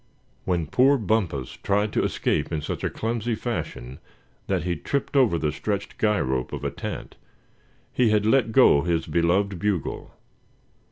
When poor Bumpus tried to escape in such a clumsy fashion that he tripped over the stretched guy rope of a tent, he had let go his beloved bugle.